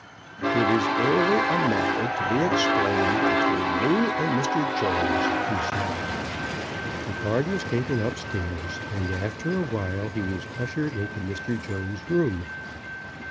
*' It is merely a matter to be ex plained between me and Mr. Jones," he said. The card was taken up stairs, and after a while he was ushered into Mr. Jones's room.